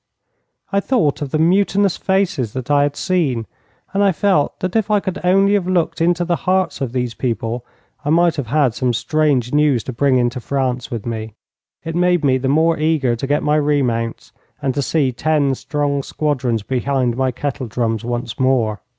I thought of the mutinous faces that I had seen, and I felt that if I could only have looked into the hearts of these people I might have had some strange news to bring into France with me. It made me the more eager to get my remounts, and to see ten strong squadrons behind my kettle drums once more.